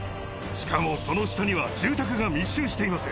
しかもその下には住宅が密集しています。